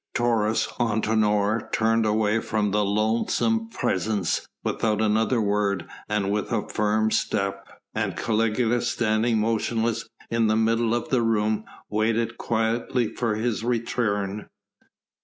Taurus Antinor turned away from the loathsome presence without another word and with a firm step. And Caligula, standing motionless in the middle of the room waited quietly for his return.